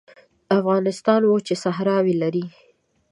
افغانستان وچې صحراوې لري